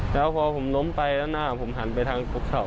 แล้วพอผมล้มไปแล้วหน้าผมหันไปทางตรงเสา